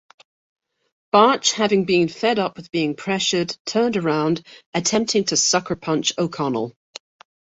Barch, having been fed up with being pressured, turned around, attempting to sucker-punch O'Connell.